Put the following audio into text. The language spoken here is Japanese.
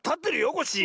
コッシー。